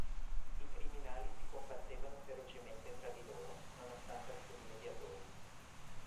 I criminali si combattevano ferocemente tra di loro, nonostante alcuni mediatori.